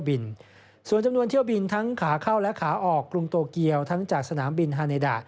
อีก๓๔เที่ยวบิน